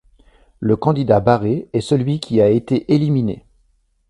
Le candidat barré est celui qui a été éliminé.